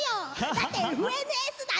だって『ＦＮＳ』だよ